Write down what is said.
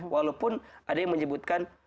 walaupun ada yang menyebutkan